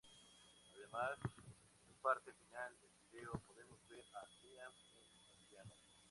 Además en parte final del vídeo, podemos ver a Liam en el piano.